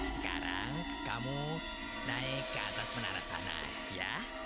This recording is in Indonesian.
sekarang kamu naik ke atas menara sana ya